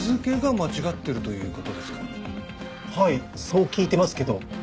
はいそう聞いてますけど。